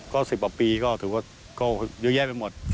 ก็สิบบาทปีก็ถือว่าเยอะแยะไปหมด